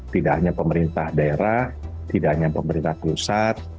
tidak hanya pemerintah daerah tidak hanya pemerintah pusat